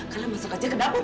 kalian masuk aja ke dapur